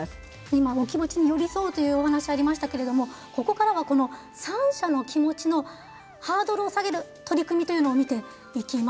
今お気持ちに寄り添うというお話ありましたけれどもここからは３者の気持ちのハードルを下げる取り組みというのを見ていきます。